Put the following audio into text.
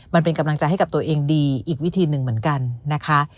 มันเป็นกำลังใจให้กับตัวเองดีอีกวิธีหนึ่งเหมือนกันนะคะ